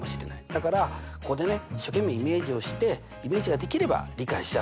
だからここでね一生懸命イメージをしてイメージができれば理解しやすいと。